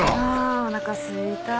あおなかすいた。